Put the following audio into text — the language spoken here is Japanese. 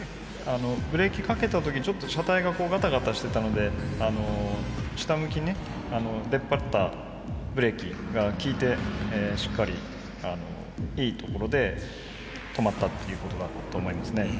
ブレーキかけた時ちょっと車体がガタガタしてたので下向きに出っ張ったブレーキが利いてしっかりいい所で止まったっていうことだと思いますね。